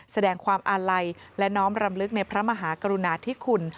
แสดงความอาลัยและน้อมรำลึกในพระมหากรุณาธิคุณ